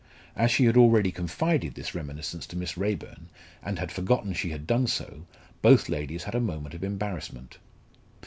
As she had already confided this reminiscence to Miss Raeburn, and had forgotten she had done so, both ladies had a moment of embarrassment.